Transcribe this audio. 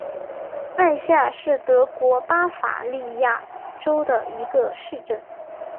艾夏是德国巴伐利亚州的一个市镇。